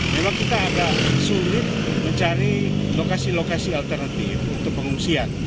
memang kita agak sulit mencari lokasi lokasi alternatif untuk pengungsian